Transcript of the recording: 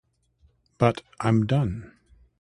But I'm done.